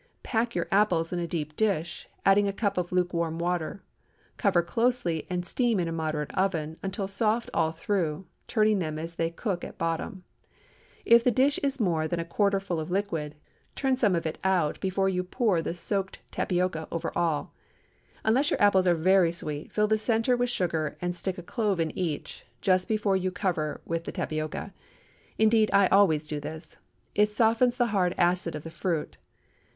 Pack your apples in a deep dish, adding a cup of lukewarm water; cover closely and steam in a moderate oven until soft all through, turning them as they cook at bottom. If the dish is more than a quarter full of liquid, turn some of it out before you pour the soaked tapioca over all. Unless your apples are very sweet fill the centre with sugar and stick a clove in each, just before you cover with the tapioca. Indeed, I always do this. It softens the hard acid of the fruit.